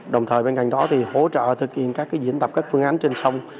đồng thời bên cạnh đó thì hỗ trợ thực hiện các diễn tập các phương án trên sông